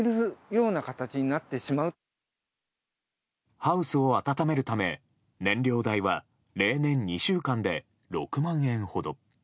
ハウスを暖めるため燃料代は例年２週間で６万円ほど。